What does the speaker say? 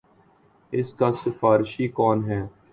اس کا سفارشی کون ہے۔